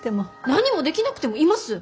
何もできなくてもいます！